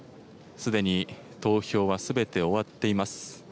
すでに投票はすべて終わっています。